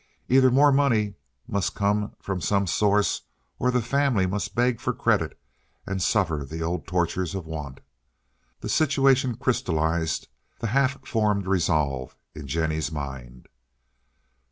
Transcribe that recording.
Either more money must come from some source or the family must beg for credit and suffer the old tortures of want. The situation crystallized the half formed resolve in Jennie's mind.